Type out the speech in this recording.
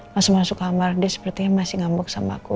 masuk masuk kamar dia sepertinya masih ngamuk sama aku